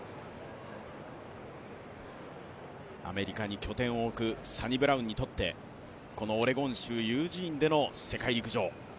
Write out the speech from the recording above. アメリカに拠点を置くサニブラウンにとってこのオレゴン州ユージーンでの世界陸上。